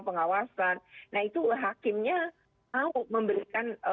pengawasan nah itu hakimnya mau memberikan